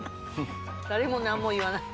誰も何も言わない